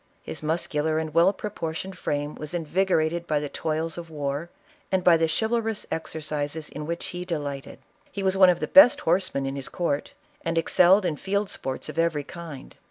His muscular and well proportioned frame was invigorated by the toils of war, and by the chivalrous exercises in which he delighted. He was one of the best horsemen in his court, and ^excelled in field sports of every kind.